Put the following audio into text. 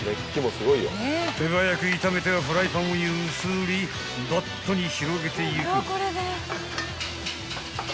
［手早く炒めてはフライパンを揺すりバットに広げていく］